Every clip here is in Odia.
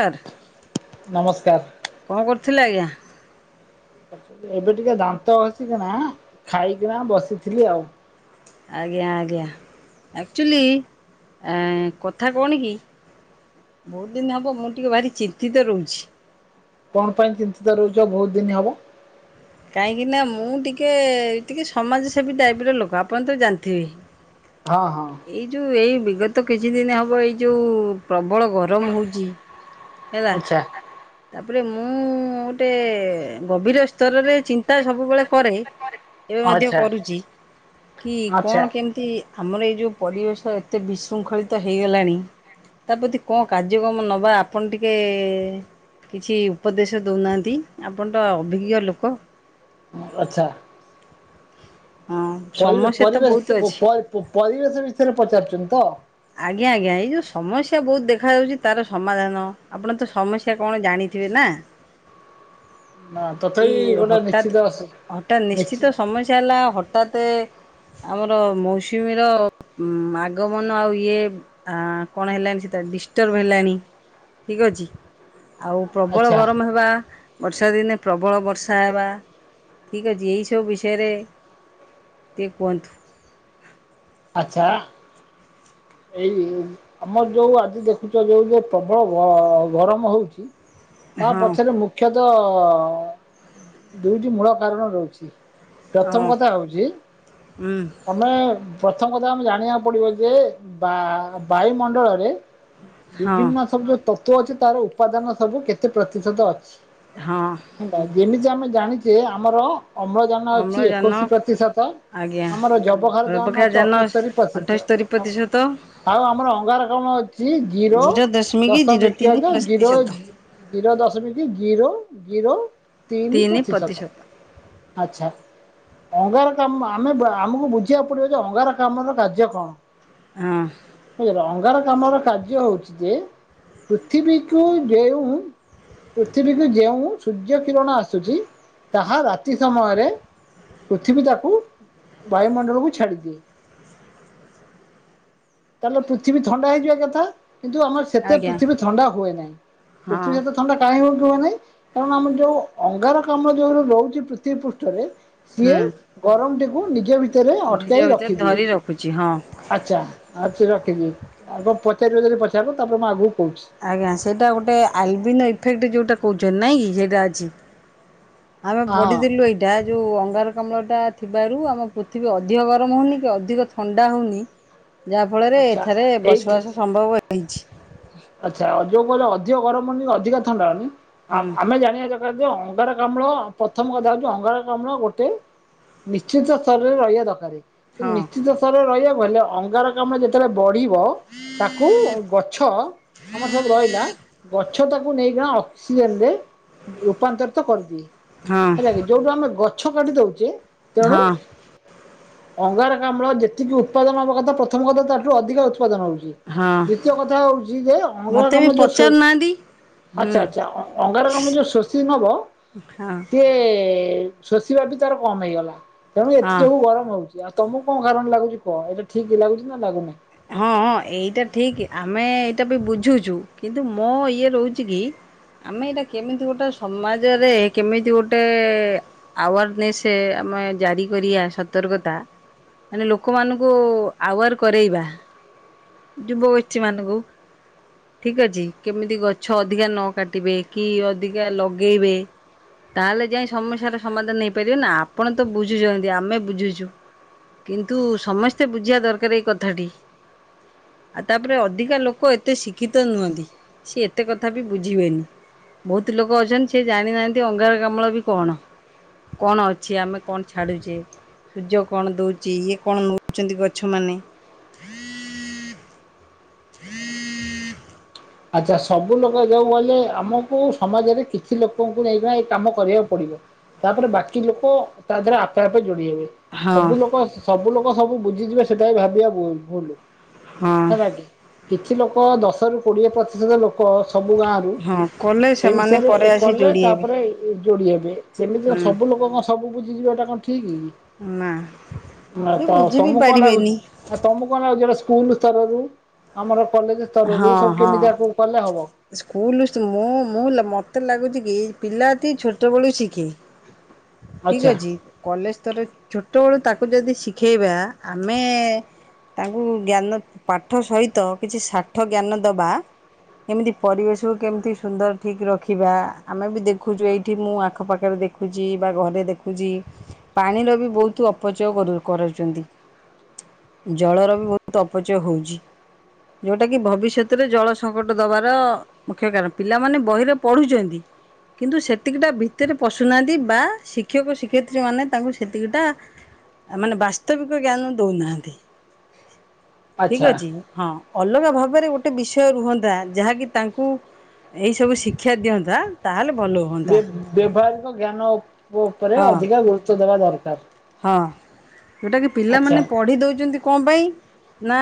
[unintelligible] ନମସ୍କାର। କଣ କରୁଥିଲେ ଆଜ୍ଞା? ଏବେ ଟିକେ ଦାନ୍ତ ହସିକିନା ଖାଇକିନା ବସିଥିଲି ଆଉ। ଆଜ୍ଞା ଆଜ୍ଞା ଆକ୍ଚୁଲି କଥା କଣ କି ବହୁତ ଦିନ ହବ ମୁଁ ଟିକେ ଭାରି ଚିନ୍ତିତ ରହୁଛି। କଣ ପାଇଁ ଚିନ୍ତିତ ରହୁଛ ବହୁତ ଦିନ ହବ? କାହିଁକି ନା ମୁଁ ଟିକେ ଟିକେ ସମାଜସେବୀ ଟାଇପ ର ଲୋକ ଆପଣ ତ ଜାଣିଥିବେ। ହଁ ହଁ ଏଇ ଯୋ ଏଇ ବିଗ ତ କିଛି ଦିନ ହବ ଏଇ ଯୋଉ ପ୍ରବଳ ଗରମ ହେଉଛି ହେଲା। ଆଚ୍ଛା ତାପରେ ମୁଁ ଗୋଟେ ଗଭୀର ସ୍ତରରେ ଚିନ୍ତା ସବୁବେଳେ କରେ ଏବେ ମଧ୍ୟ ଆଚ୍ଛା କରୁଚି କି ଆଚ୍ଛା କଣ କେମିତି ଆମର ଏଇ ଯୋଉ ପରିବେଶ ଏତେ ବିଶୃଙ୍ଖଳିତ ହେଇଗଲାଣି ତାପ୍ରତି କଣ କାର୍ଯ୍ୟକ୍ରମ ନେବା ଆପଣ ଟିକେ କିଛି ଉପଦେଶ ଦଉନାହାନ୍ତି ଆପଣ ତ ଅଭିଜ୍ଞ ଲୋକ। ଆଚ୍ଛା। ହଁ ପରିବ ସମସ୍ୟା ତ ପରିବେଶ ବହୁତ ପ ଅଛି। ପ ପରିବେଶ ବିଷୟରେ ପଚାରୁଛନ୍ତି ତ? ଆଜ୍ଞା ଆଜ୍ଞା ଏଇ ଯୋଉ ସମସ୍ୟା ବହୁତ ଦେଖା ଯାଉଛି ତାର ସମାଧାନ ଆପଣ ତ ସମସ୍ୟା କଣ ଜାଣିଥିବେ ନା। ନା ତଥାପି ଏଇ ଗୋଟେ ହଠାତ୍ ନିଶ୍ଚିତ ଆସୁ ହଠାତ୍ ନିଶ୍ଚିତ ସମସ୍ୟା ହେଲା ହଠାତେ ଆମର ମୌସୁମୀ ର ଉ ଆଗମନ ଆଉ ଏ ହା କଣ ହେଲାଣି ସେଟା ଡିଷ୍ଟର୍ବ ହେଲାଣି ଠିକ ଅଛି। ଆଉ ପ୍ରବଳ ଆଚ୍ଛା ଗରମ ହେବା ବର୍ଷା ଦିନେ ପ୍ରବଳ ବର୍ଷା ହେବା ଠିକ୍ ଅଛି ଏହଇସବୁ ବିଷୟରେ ଟିକଏ କୁହନ୍ତୁ? ଆଛା ଏଇ ଆମର ଯୋଉ ଆଜି ଦେଖୁଛ ଯୋଉ ଯେ ପ୍ରବଳ ଗ ଗରମ ହଉଛି ତା ହଁ ପଛରେ ମୁଖ୍ୟତଃ ହ ଦୁଇଟି ମୂଳ କାରଣ ରହୁଛି। ପ୍ରଥମ ହଁ କଥା ହଉଛି ହୁଁ ଆମେ ପ୍ରଥମ କଥା ଆମେ ଜାଣିବାକୁ ପଡିବ ଯେ ବା ବାୟୁମଣ୍ଡଳରେ ହଁ ବିଭିନ୍ନ ଶବ୍ଦ ତତ୍ଵ ଅଛି ତାର ଉପାଦାନ ସବୁ କେତେ ପ୍ରତିଶତ ଅଛି? ହଁ ହେଲା ଯେମିତି ଆମେ ଜାଣିଛେ ଆମର ଅମ୍ଳଜାନ ଅଛି ଅମ୍ଳଜାନ ଏକୋଇଶି ପ୍ରତିଶତ ଆଜ୍ଞା ଆମର ଜବହାର ଯାନ ଅଛି ଅବକ୍ଷାଜାନ ଅଠସ୍ତରି ପ୍ରତିଶତ ଅଠସ୍ତରୀ ପ୍ରତିଶତ ଆଉ ଆମର ଅଙ୍ଗାରକ୍ଲାମ ଅଛି ଜିରୋ ଜିରୋ ଦଶମିକ ତିନି ଜିରୋ ପ୍ରତିଶତ ଜିରୋ ଦଶମିକ ଜିରୋ- ଜିରୋ ତିନି ପ୍ରତିଶତ ଆଛା। ଅଙ୍ଗାରକ୍ଲାମ ଆମ ଦ୍ୱାରା ଆମକୁ ବୁଝିବାକୁ ପଡିବ। ଅଙ୍ଗାରକ୍ଲାମର କାର୍ଯ୍ୟ କଣ? ହଁ [unintelligible] ଅଙ୍ଗାର- ଆମର କାର୍ଯ୍ୟ ହଉଛି ଯେ ପୃଥିବୀକୁ ଯେଉଁ ପୃଥିବୀକୁ ଯେଉଁ ସୂର୍ଯ୍ୟ କିରଣ ଆସୁଛି ତାହା ରାତି ସମୟରେ ପୃଥିବୀ ତାକୁ ବାୟୁମଣ୍ଡଳକୁ ଛାଡ଼ି ଛି ତାହେଲେ ପୃଥିବୀ ଥଣ୍ଡା ହେଇଯିବା କଥା। କିନ୍ତୁ ଆମ ସେତେ ଆଜ୍ଞା। ପୃଥିବୀ ଥଣ୍ଡା ହୁଏ ନାହିଁ ହଁ ପୃଥିବୀ ସେତେ ଥଣ୍ଡା କାହିଁ ହଉନି? ହୁଏନି କାରଣ ଆମର ଯୋଉ ଅଙ୍ଗାରକ୍ଲାମ ଯୋଉ ରହୁଛି ପୃଥିବୀ ପୃଷ୍ଠରେ। ସିଏ ହୁଁ ଗରମଟିକୁ ନିଜ ଭିତରେ ଅଟ- ନିଜ କେହି ଭିତରେ ରଖିଦିଏ ଧରି ରଖୁଛି ହଁ। ଆଚ୍ଛା ଆ- କି ଆଉ ପଚାରିବ ଯଦି ପଚାରିବ ତାପରେ ମୁଁ ଆଗକୁ- କହୁଛି। ଆଜ୍ଞା ସେଇଟା ଗୋଟେ [unintelligible] ଯୋଉଟା କହୁ- ଚ ନାହିଁ କି ସେଇଟା ଅଛି। ଆମେ ହଁ ପଢିଥିଲୁ ଏଇଟା ଯୋଉ ଅଙ୍ଗାର- କ୍ଲାମଟା ଥିବାରୁ ଆମ ପୃଥିବୀ ଅଧିକ ଗରମ ହଉନି କି ଅଧିକ ଥଣ୍ଡା ହଉନି। ଯାହା ଫଳରେ ଆଚ୍ଛା ଏଠାରେ ଏଇଠି ବସବାସ ସମ୍ଭବ ପାଇଛି ଆଚ୍ଛା ଯୋଉ କହିଲ ଅଧିକ ଗରମ ହଉ କି ଅଧିକ ଥଣ୍ଡା ହଉନି। ଆ ହୁଁ ଆମେ ଜାଣିବା ଦରକାର ଯେ ଅ- ଅଙ୍ଗାରକାମ୍ଲ ପ୍ରଥମ କଥା ହଉଛି ଅଙ୍ଗାରକାମ୍ଲ ଗୋଟେ ନିଶ୍ଚିତ ସ୍ତରରେ ରହିବା ଦରକାର। ସେ ହଁ ନିଶ୍ଚିତ ସ୍ଥରରେ ରହିବା କହିଲେ ଅଙ୍ଗାରକାମ୍ଲ ଯେତେବେଳେ ବଢିବ ତାକୁ ଗଛ- ଆମର ସବୁ ରହିଲା ଗ- ଗଛ ତାକୁ ନେଇକି ନା ଅକ୍ସିଜେନରେ ରୂପାନ୍ତରିତ କରନ୍ତି। ହଁ ହେଲା କିି ଯୋଉଠୁ ଆମେ ଗଛ- ଗଛ କାଟିି ଦଉଚେ ତେଣୁ ହଁ ଅଙ୍ଗାରକାମ୍ଳ ଯେତିକି ଉତ୍ପାଦନ ହବା କଥା ପ୍ରଥମ କଥା ତାଠୁ ଅଧିକା ଉତ୍ ଉତ୍ପାଦନ ହଉଛି ହଁ। ଦ୍ୱିତୀୟ କଥା ହଉଛି- [unintelligible] ମୋତେ ବି ଅଙ୍ଗାରକାମ୍ଲ ଯୋଉ ଶୋଇ ପଚାରୁନାହାନ୍ତି। ହୁଁ ଆଚ୍ଛା ଆଚ୍ଛା ହଁ ଅଙ୍ଗାରକାମ୍ଲ ଯୋଉ ଶୋଷି ନବ ହଁ ସିଏ [unintelligible] ଶୋଷିବା ବି ତାର କମ ହେଇଗଲା। ତେଣୁ ଏଥି ହଁ। ଯୋଗୁଁ ଗରମ ହଉଛି। ଆଉ ତମକୁ କଣ କାରଣ ଲାଗୁଛି କହ ଏଇଟା ଠିକ ଲାଗୁଛି ନା ଲାଗୁନି? ହଁ ହଁ ଏଇଟା ଠିକ ଆମେ ଏଇଟା ବି ବୁଝୁଛୁ କିନ୍ତୁ ମୋ ଇଏ ରହୁଛି କି ଆମେ ଏଇଟା କେମିତି ଗୋଟେ ସମାଜରେ କେମିତି ଗୋଟେ ଆୱାରନେସ୍ ଆମେ ଜାରି କରିବା ସତର୍କତା ମାନେ ଲୋକମାନଙ୍କୁ ଆୱାର୍ କରେଇବା। ଯୁବଗୋଷ୍ଠୀ ମାନଙ୍କୁ ଠିକ ଅଛି କେମିତି ଗଛ ଅଧିକା ନ କାଟିବେ କି ଅଧିକା ଲଗେଇବେ ତାହେଲେ ଯାଇ ସମସ୍ୟାର ସମାଧାନ ହେଇପାରିବ ନା ଆପଣ ତ ବୁଝୁଛନ୍ତି ଆମେ ବୁଝୁଛୁ କିନ୍ତୁ ସମସ୍ତେ ବୁଝିବା ଦରକାର ଏଇ କଥାଟି। ଆଉ ତାପରେ ଅଧିକା ଲୋକ ଏତେ ଶିକ୍ଷିତ ନୁହନ୍ତି ସିଏ ଏତେ କଥା ବି ବୁଝିବେନି ବହୁତ ଲୋକ ଅଛନ୍ତି ସେ ଜାଣିନାହାନ୍ତି ଅଙ୍ଗାରକାମ୍ଳ ବି କଣ କଣ ଅଛି ଆମେ କଣ ଛାଡୁଛେ ସୂର୍ଯ୍ୟ କଣ ଦଉଚି ଇଏ କଣ ନଉଛନ୍ତି ଗଛ ମାନେ। [inaudible] ଆଚ୍ଛା ସବୁ ଲୋକ ଯୋଉ କହିଲେ ଆମକୁ ସମାଜରେ କିଛି ଲୋକଙ୍କୁ ନେଇକି ଏ କାମ କରିବାକୁ ପଡିବ ତାପରେ ବାକି ଲୋକ ତା ଦେହରେ ଆପେ ଆପେ ଯୋଡ଼ି ହେବେ ହଁ ସବୁ ଲୋକ ସ ସବୁ ଲୋକ ସବୁ ବୁଝ ଯିବେ ସେଇଟା ବି ଭାବିବା ଭୁଲ ଭୁଲ। ହଁ। ହେଲା କି? କିଛି ଲୋକ ଦଶ ରୁ କୋଡ଼ିଏ ପ୍ରତିଶତ ଲୋକ୍ ଲୋକ ସବୁ ଗାଁରୁ ହଁ କଲେ ଏ ସେମାନେ ବିଷୟରେ ପରେ ଏ ଆସି କଲେ ଯୋଡି ହେବେ ତାପରେ ଯୋଡି ହେବେ ସେମିତି ହୁଁ ସବୁ ଲୋକ କଣ ସବୁ ବୁଝିଯିବାଟା କଣ ଠିକ କି? ନା। ନା ସେ ତ ବୁଝି ବି ତମକୁ କଣ ଲାଗୁଛି ପାରିବେନି ତମକୁ କଣ ଲାଗୁଛି ଏଇଟା ସ୍କୁଲ ସ୍ତରରୁ ଆମର କଲେଜ ସ୍ତରରୁ ହଁ ହଁ କେମିତି ଆକୁ କଲେ ହବ ସ୍କୁଲ ମୁଁ ମୁଁ [unintelligible] ହେଲା ମତେ ଲାଗୁଚି କି ପିଲାଟି ଛୋଟ ବେଳୁ ଶିଖେ। ଠିକ ଆଚ୍ଛା ଅଛି କଲେଜ ତାର ଛୋ ଟ ବେଳୁ ତାକୁ ଯଦି ଶିଖେଇବା ଆମେ ତାଙ୍କୁ ଜ୍ଞାନ ପାଠ ସହିତ କିଛି ସା ଠ ଜ୍ଞାନ ଦବା ଏମିତି ପରିବେଶକୁ କେମିତି ସୁନ୍ଦର ଠିକ ରଖିବା ଆମେ ବି ଦେଖୁଛୁ ଏଇଠି ମୁଁ ଆଖପାଖରେ ଦେଖୁଛି ବା ଘରେ ଦେଖୁଛି ପାଣିର ବି ବହୁତ ଅପଚୟ କର କରଉଚନ୍ତି ଜଳର ବି ବହୁତ ଅପଚୟ ହଉଛି। ଯୋଉଟା କି ଭବିଷ୍ୟତରେ ଜଳ ସଙ୍କଟ ଦବାର ମୁଖ୍ୟ କାରଣ ପିଲାମାନେ ବହିରେ ପଢୁଛନ୍ତି। କିନ୍ତୁ ସେତିକିଟା ଭିତରେ ପଶୁନାହାନ୍ତି ବା ଶିକ୍ଷକ ଶିକ୍ଷୟତ୍ରୀ ମାନେ ତାଙ୍କୁ ସେତିକିଟା ମାନେ ବାସ୍ତବିକ ଜ୍ଞାନ ଦଉନାହାନ୍ତି। ଠିକ ଆଚ୍ଛା। ଅଛି ହଁ। ଅଲଗା ଭାବରେ ଗୋଟେ ବିଷୟ ରୁହନ୍ତା ଯାହାକି ତାଙ୍କୁ ଏଇ ସବୁ ଶିକ୍ଷା ଦିଅନ୍ତା ତାହେଲେ ଭଲ ହୁଅନ୍ତା ବେ ବ୍ୟବହାରିକ ଜ୍ଞାନ ମୋ ଉପରେ ହଁ। ଅଧିକା ଗୁରୁତ୍ୱ ଦେବା ଦରକାର। ହଁ ଜୋଉଟାକି ଆଚ୍ଛା ପିଲାମାନେ ପଢ଼ି ଦେଉଛନ୍ତି କଣ ପାଇଁ? ନା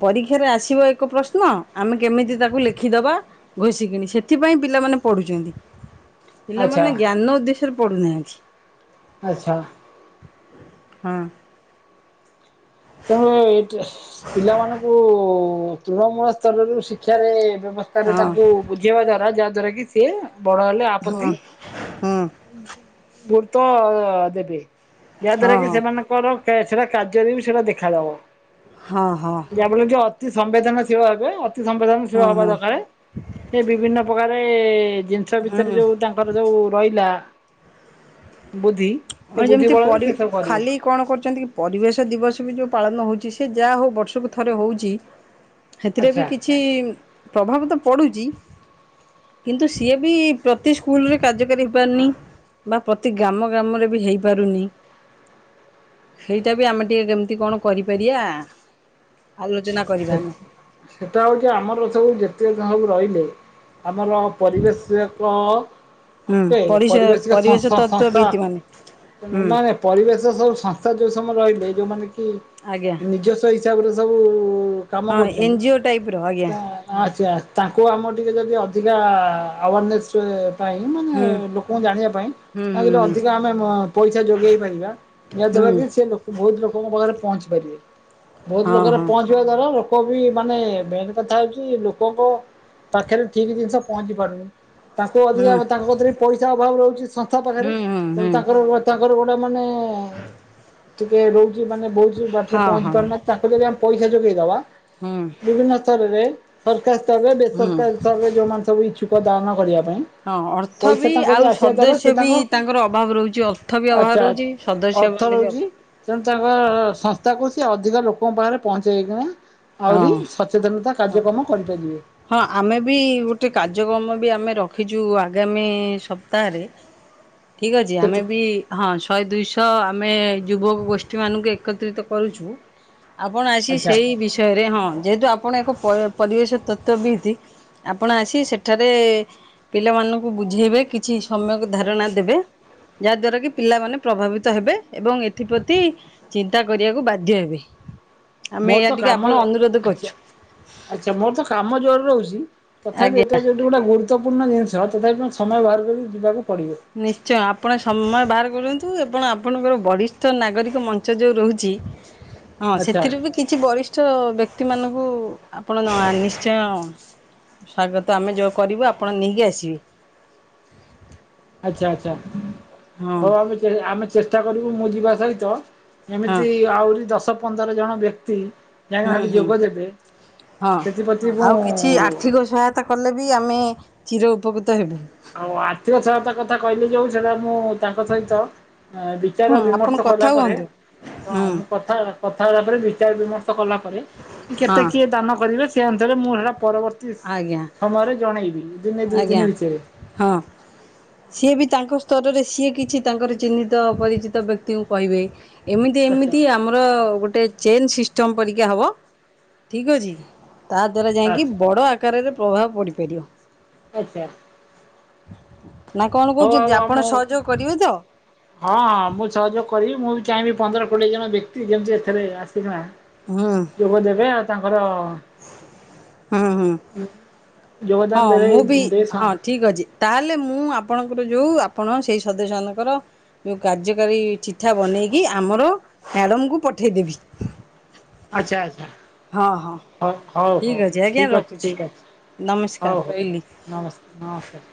ପରୀକ୍ଷାରେ ଆସିବ ଏକ ପ୍ରଶ୍ନ ଆମେ କେମିତି ତାକୁ ଲେଖିଦବା ଘୋଷି କିଣି ସେଥିପାଇଁ ପିଲାମାନେ ପଢ଼ୁଛନ୍ତି। ଆଚ୍ଛା ପିଲାମାନେ ଜ୍ଞାନ ଉଦ୍ଦେଶ୍ୟରେ ପଢ଼ୁନାହାଁ ଛି ଆଚ୍ଛା ହଁ ତେଣୁ ଏ ପିଲାମାନଙ୍କୁ ତୃଣମୂଳ ସ୍ତରରୁ ଶିକ୍ଷାରେ ବ୍ୟବସ୍ଥା ରେ ହଁ ତାଙ୍କୁ ବୁଝେଇବା ଦ୍ଵାରା ଯାହା ଦ୍ଵାରା କି କି ସେ ବଡ ହେଲେ ଆପତ୍ତି ହୁଁ ଭୋଟ ତ ଦେବେ। ଯାହା ହଁ ଦ୍ୱାରା କି ହଁ ସେମାନଙ୍କର ଏ ସେଟା କାର୍ଯ୍ୟରେ ବି ସେଟା ଦେ ଖେଳ ହବ। ହଁ ହଁ ତି ସମ୍ବେଦନଶୀଳ ହେବେ ଅ ତି ସମ୍ବେଦନଶୀଳ ହୁଁ ହବା ହୁଁ ଦରକାରେ ସେ ବିଭିନ୍ନ ପ୍ରକାରେ ଜିନିଷ ଭିତରେ ଯୋଉ ତାଙ୍କର ଯୋଉ ରହିଲା ବୁଦ୍ଧି ସେ ଅ ବୁଦ୍ଧି ଯେମିତି ବଳରେ ପରି ସେ ସବୁ କରିବେ ଖାଲି କଣ କରୁଚନ୍ତି କି ପରିବେଶ ଦିବସ ବି ଯୋଉ ପାଳନ ହୋଉଚି ସେ ଯାହା ହଉ ବର୍ଷକୁ ଥରେ ହୋଉଚି। ହେଥିରେ ବି ଆଚ୍ଛା। କିଛି ପ୍ରଭାବ ତ ପୁଡ଼ୁଚି କିନ୍ତୁ ସିଏ ବି ପ୍ରତି ସ୍କୁଲରେ କାର୍ଯ୍ୟକାରୀ ହେଇପାରନି ବା ପ୍ରତି ଗାମ ଗାମରେ ବି ହେଇ ପାରୁନି। ହେଇଟା ବି ଆମେ ଟିକେ କେମତି କଣ କରି ପାରିଆ ସେ ସେଟା ହୋଉଚି ଆମର ସବୁ ଯେତେ କାହାକୁ ରହିଲେ ଆମର ପରିବେଶକ ଅ ହୁଁ ତେ ପରିସ ପରିବେଶିକ ସଂ ପରିବେଶ ସଂ ସଂସ୍ଥା ତତ୍ତ୍ୱବିତ୍ ମାନେ ନାଁ ହୁଁ ନାଇଁ ପରିବେଶ ସବୁ ସଂସ୍ଥା ଯୋଉ ସମୟ ରହି ସେଇ ଯୋଉମାନେ କୁ ଆଜ୍ଞା ନିଜସ୍ୱ ଇ ହିସାବରେ ସବୁ କାମ ହଁ ଏନ୍ କରୁଚନ୍ତି ଜି ଓ ଟାଇପ୍ ର ଆଜ୍ଞା ତା ଆଚ୍ ଆ ତାଙ୍କୁ ଆମ ଟିକେ ଯଦି ଅଧିକା ଆୱାରନେସ ପାଇଁ ମାନେ ହୁଁ ଲୋକଙ୍କୁ ଜାଣିବା ପାଇଁ ହୁଁ ତାହିଁକିରେ ହୁଁ ଅଧିକା ଆମେ ତ ପଇସା ଯୋଗେଇ ପାରିବା ଯାହା ହୁଁ ଦ୍ଵାରା କି ସେ ଲୋକ ବୋହୁତ ଲୋକଙ୍କ ପାଖରେ ପହଞ୍ଚି ପାରିବେ। ହୁଁ ବୋହୁତ ହଁ ଲୋକରେ ହଁ ପହଞ୍ଚିବା ଦର ଲୋକ ବି ମାନେ ମେନ୍ କଥା ହୋଉଚି ଲୋକଙ୍କ ପାଖରେ ଠିକ ଜିନିଷ ପହଞ୍ଚି ପାରୁନି। ତାଙ୍କୁ ହୁଁ ଅଧିକା ହୁଁ ତାଙ୍କ କତିରେ ବି ପଇସା ଅଭାବ ରହୁଚି। ସଂସ୍ଥା ପାଖରେ ହୁଁ ତେଣୁ ହୁଁ ତାଙ୍କର ତାଙ୍କର ନାଁ ମାନେ ଟିକେ ରୋଉ ମାନେ ବୋହୁତ ବି ବାଟରେ ହଁ ପହଞ୍ଚି ହଁ ପାରୁନା ତାଙ୍କୁ ଯଦି ଆମେ ପଇସା ଯୋଗେଇଦବା ହୁଁ ବିଭିନ୍ନ ସ୍ତରରେ ସରକାର ସ୍ତରରେ ହୁଁ ବେସରକାରୀ ସ୍ତରରେ ଯୋଉମାନେ ସବୁ ଇଚ୍ଛୁକ ଦାନ କରିବା ପାଇଁ ହଁ ଅର୍ଥ ପଇସା ବି ତାଙ୍କ କତି ଆଉ ଆସିବା ଦ୍ଵାରା ସେ ସଦସ୍ୟ ବି ତାଙ୍କ ତାଙ୍କର ଅଭାବ ରହୁଛି ଅର୍ଥ ବି ଅଭାବ ଆଚ୍ଛା ରହୁଛି ସଦସ୍ୟ ଅର୍ଥ ମାନେ ବି ରହୁଚି ତେଣୁ ତାଙ୍କ ସଂସ୍ଥାକୁ ସେ ଅ ଧିକା ଲୋକଙ୍କ ପାଖରେ ପହଞ୍ଚେଇକିଣା ହଁ ହ କରିପାରିବେ ହଁ ଆମେ ବି ଗୋଟେ କାର୍ଯ୍ୟକ୍ରମ ବି ଆମେ ରଖ ରଖିଛୁ ଆଗାମୀ ସପ୍ତାହରେ। ଠିକ୍ ଅଛି ଆମେ କେତେ ବି ହଁ ଶହେ ଦୁଇଶହ ତ ଆମେ ଯୁବକ ଗୋଷ୍ଠୀମାନଙ୍କୁ ଏକତ୍ରିତ କରୁଛୁ ତ ଆପଣ ଆସି ଆଚ୍ଛା ସେଇ ବିଷୟ ହଁ ଯେହେତୁ ଆପଣ ଏକ ପରିବେଶ ତତ୍ଵ ବିତି ଆପଣ ଆସି ସେଠାରେ ପିଲାମାନଙ୍କୁ ବୁଝେଇବେ କିଛି ସମ୍ୟକ ଧାରଣା ଦେବେ ଯାହାଦଵାରାକ ପିଲାମାନେ ପ୍ରଭାବିତ ହେବେ ଏବଂ ଏଥିପ୍ରତି ଚିନ୍ତା କରିବାକୁ ବାଧ୍ୟ ହେବେ। ଆମେ ମୋର ଏୟା ତ ଟିକେ କାମ ଆପ ଆଚ୍ଛା ଆଚ୍ଛା ମୋର ତ କାମ ଜୋରରେ ରହୁଛି। ତଥାପି ଆଜ୍ଞା। ଏଟ ଯଦି ଗୋଟା ଗୁରୁତ୍ୱପୂର୍ଣ୍ଣ ଜିନିଷ ତଥାପି ସମୟ ବାହାର କରିିକ ଯିବାକୁ ପଡ଼ିବ ନିଶ୍ଚୟ ଆପଣ ସମୟ ବାହାର କରଛନ୍ତି। ତୁ ଆପଣ ଆପଣଙ୍କର ବରିଷ୍ଠ ନାଗରିକ ମଞ୍ଚ ଯେଉଁ ରହୁଛି। ହଁ ଆଚ୍ଛା ସେଥିରୁ ବି କିଛି ବରିଷ୍ଠ ବ୍ୟକ୍ତି ମାନଙ୍କୁ ଆପଣ ନିଶ୍ଚୟ ସ୍ୱାଗତ ତ ଆମେ ଯେଉଁ କରିବୁ ଆପଣ ନେଇକି ଆସିବେ। ଆଚ୍ଛା ଆଚ୍ଛା ହଁ ହଉ ଆମେ ଆମେ ଚେଷ୍ଟା ଚେଷ୍ଟା କରିବୁ ମୁଁ ଯିବା ସହିତ ହଁ ଏମିତି ଆହୁରି ଦଶ ପନ୍ଦର ଜଣ ବ୍ୟକ୍ତି ଯାଇକି ହୁଁ ସେଠି ହୁଁ ଯୋଗ ଦେବେ ହଁ ସେଥିପ୍ରତି ଆଉ କିଛି ମୁଁ ଆର୍ଥିକ ସହାୟତା କଲେ ବି ଆମେ ଚିର ଉପକୃତ ହେବୁ। ଆଉ ଆର୍ଥିକ ସହାୟତା କଥା କହିଲେ ଯୋଉ ସେଟ ମୁଁ ତାଙ୍କ ସହିତ ହଁ ବିଚାର ଆପଣ ବିମର୍ଶ କଲା କଥା ପରେ ହୁଅନ୍ତୁ। ହୁଁ କନ୍ କଥା କଥାବାର୍ତ୍ତା ହେଲା ପରେ ବିଚାର ବିମର୍ କଲା ପରେ କେତେ ହଁ କିଏ ଦାନ କରିବେ ସେଆନ୍ଦରେ ମୁ ହେରାପ ପରବର୍ତ୍ତୀ ଆଜ୍ଞା ସମୟରେ ଜଣେଇବି ଦିନେ ଆଜ୍ଞା ଦୁଇଦିନ ଭିତରେ ହଁ ସିଏ ବି ତାଙ୍କ ସ୍ତରରେ ସିଏ କିଛି ତାଙ୍କର ଚିହ୍ନିତ ପରିଚିତ ବ୍ୟକ୍ତିଙ୍କୁ କହିବେ। ଏମିତି ଆଚ୍ଛା ଏମିତି ଆମର ଗୋଟେ ଚେନ୍ ସିଷ୍ଟମ୍ ପରିକା ହବ ଠିକ୍ ଅଛି। ତା ଦ୍ଵାରା ଯାଇକି ଆଚ୍ଛା ବଡ ଆକାରରେ ପ୍ରଭାବ ପଡ଼ିପାରିବ। ଆଚ୍ଛା। ନା କଣ ହଉ ଆଉ କହୁଛନ୍ତି ଆପଣ ଆମ ସହଯୋଗ କରିବେ ତ? ହଁ ହଁ ମୁଁ ସହଯୋଗ କରିବି ମୁଁ ଚାହିଁବି ପନ୍ଦର କୋଡ଼ିଏ ଜଣ ବ୍ୟକ୍ତି ଯେମିତି ଏଥିରେ ଆସି କିନା ହୁଁ ଯୋଗଦେବେ ଆ ତାଙ୍କୁ ଆମର ହୁଁ ହୁଁ। ଯୋଗଦାନ ହଁ ଦେବେ ମୁଁ ବି ଦେଇ ହଁ ଠିକ ଅଛି ତାହେଲେ ମୁଁ ଆପଣ ଆମର ଯୋଉ ଆପଣ ସେଇ ସଦସ୍ୟ ମାନଙ୍କର ଯୋଉ କାର୍ଯ୍ୟକାରୀ ଚିଠା ବନେଇକି ଆମର ମ୍ୟାଡ଼ମକୁ ପଠେଇ ଦେବି। ଆଚ୍ଛା ଆଚ୍ଛା। ହଉ ହଉ ଠିକ୍ ହଉ ଅଛି ଆଜ୍ଞା ଠିକ ଅଛି ରଖୁଛି ଠିକ ଅଛି ନମସ୍କାର ହଉ ହଉ ରହିଲି। ନମସ୍କାର ନମସ୍କାର।